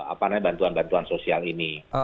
apa namanya bantuan bantuan sosial ini